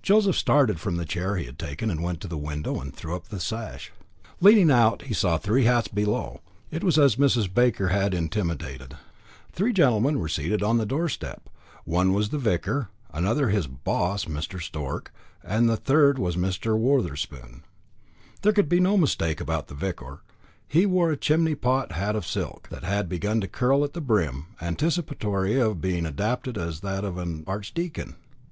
Joseph started from the chair he had taken, and went to the window, and threw up the sash. Leaning out, he saw three hats below. It was as Mrs. Baker had intimated. Three gentlemen were seated on the doorstep. One was the vicar, another his "boss" Mr. Stork, and the third was Mr. Wotherspoon. There could be no mistake about the vicar; he wore a chimney pot hat of silk, that had begun to curl at the brim, anticipatory of being adapted as that of an archdeacon.